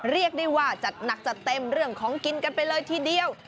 เรียกได้ว่าจัดหนักจัดเต็มเรื่องของกินกันไปเลยทีเดียว